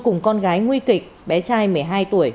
cùng con gái nguy kịch bé trai một mươi hai tuổi